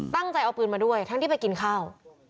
ตั้งใจเอาปืนมาด้วยทั้งที่ไปกินข้าว